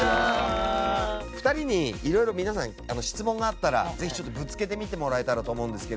２人に色々皆さん質問があったらぜひぶつけてみてもらえたらと思うんですけれど。